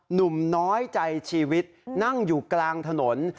หนุ่มน้อยใจชีวิตนั่งอยู่กลางถนน